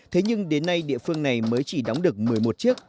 thế nhưng đến nay địa phương này mới chỉ đóng được một mươi một chiếc